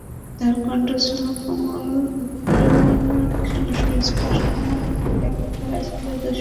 তাঁর কণ্ঠ ছিল কোমল, উচ্চারণ ছিল সুস্পষ্ট, মর্মকে ব্যক্ত করা ছিল দ্যুতিময়।